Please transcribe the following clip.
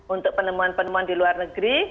untuk penemuan penemuan di luar negeri